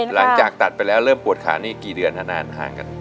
หลังจากตัดไปแล้วเริ่มปวดขานี่กี่เดือนฮะนานห่างกัน